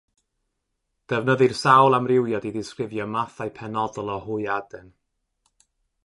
Defnyddir sawl amrywiad i ddisgrifio mathau penodol o hwyaden.